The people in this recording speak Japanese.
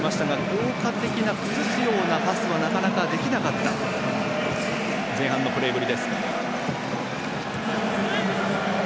効果的な崩すようなパスはなかなか、できなかった前半のプレーぶりです。